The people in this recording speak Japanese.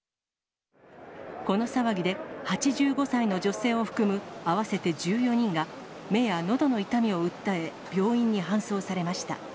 この騒ぎで８５歳の女性を含む合わせて１４人が、目やのどの痛みを訴え病院に搬送されました。